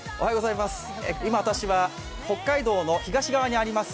今、私は北海道の東側にあるます